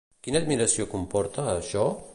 Quina admiració comporta, això?